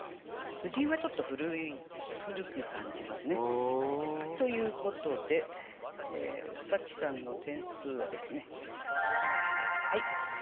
「婦人」はちょっと古く感じますね。ということで紗季さんの点数は７３点でした。